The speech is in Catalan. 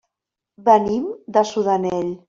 Venim de Sudanell.